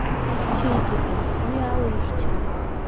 Чеиџьыкан, уи ала ихьчан.